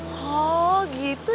oh oh gitu ya